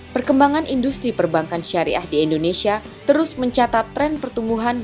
perkembangan industri perbankan syariah di indonesia terus mencatat tren pertumbuhan